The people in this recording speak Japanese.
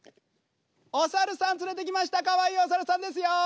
お猿さん連れてきましたかわいいお猿さんですよ。